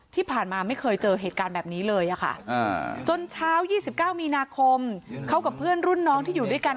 ที่ผ่านมาไม่เคยเจอเหตุการณ์แบบนี้เลยค่ะจนเช้า๒๙มีนาคมเขากับเพื่อนรุ่นน้องที่อยู่ด้วยกัน